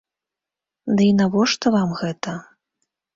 Ды і навошта вам гэта?